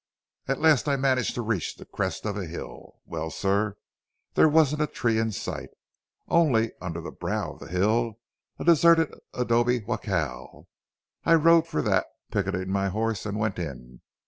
"At last I managed to reach the crest of the hill. Well, sir, there wasn't a tree in sight, only, under the brow of the hill, a deserted adobe jacal, and I rode for that, picketed my horse and went in.